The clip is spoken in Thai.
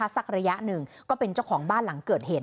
สักระยะหนึ่งก็เป็นเจ้าของบ้านหลังเกิดเหตุ